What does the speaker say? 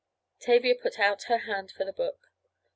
Tavia put out her hand for the book.